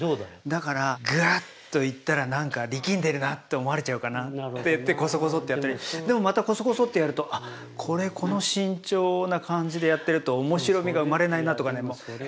だからガッといったらなんか力んでるなって思われちゃうかなっていってこそこそってやったりでもまたこそこそってやるとあっこれこの慎重な感じでやってると面白みが生まれないなとかね。